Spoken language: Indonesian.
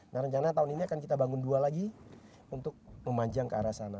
nah rencana tahun ini akan kita bangun dua lagi untuk memanjang ke arah sana